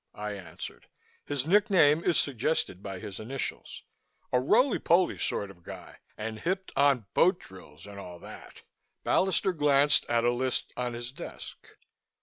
I answered. "His nickname is suggested by his initials a roly poly sort of guy and hipped on boat drills and all that." Ballister glanced at a list on his desk.